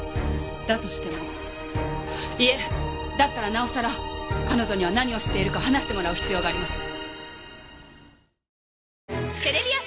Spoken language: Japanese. だとしてもいえだったらなおさら彼女には何を知っているか話してもらう必要があります。